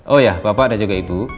oh ya bapak dan juga ibu